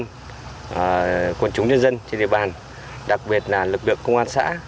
chúng tôi đã đối tượng quân chúng nhân dân trên địa bàn đặc biệt là lực lượng công an xã